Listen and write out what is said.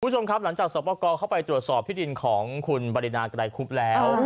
คุณผู้ชมครับหลังจากสอบประกอบเข้าไปตรวจสอบที่ดินของคุณบรินาไกรคุบแล้ว